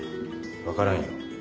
わからんよ。